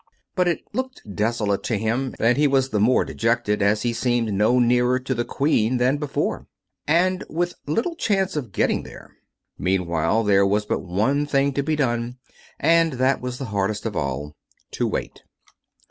But it looked desolate to him, and he was the more de jected, as he seemed no nearer to the Queen than before, and with little chance of getting there. Meanwhile, there was but one thing to be done, and that the hardest of all — to wait.